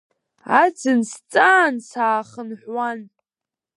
Аӡын сҵаан саахынҳәуан.